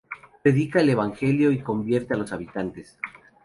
Predica el evangelio y convierte a los habitantes.